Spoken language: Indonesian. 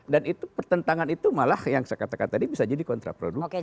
dan itu pertentangan itu malah yang saya katakan tadi bisa jadi kontraproduktif